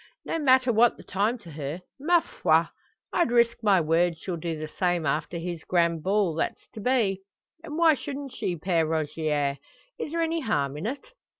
No matter what the time to her. Ma foi! I'd risk my word she'll do the same after this grand ball that's to be. And why shouldn't she, Pere Rogier? Is there any harm in it?"